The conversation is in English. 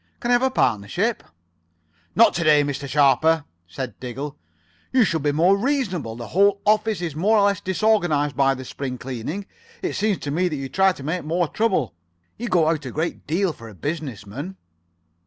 Can I have a partnership?" "Not to day, Mr. Sharper," said Diggle. "You should be more reasonable. The whole office is more or less disorganized by the spring cleaning. It seems to me that you try to make more trouble. You go out a great deal for a business man."